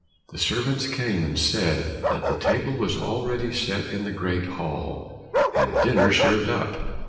The servants came and said that the table was already set in the great hall, and dinner served up.